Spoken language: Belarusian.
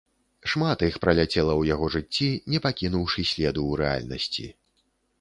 Шмат іх праляцела ў яго жыцці, не пакінуўшы следу ў рэальнасці.